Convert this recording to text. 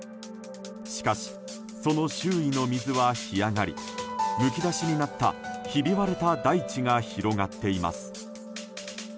しかし、その周囲の水は干上がりむき出しになったひび割れた大地が広がっています。